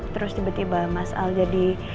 terus tiba tiba mas al jadi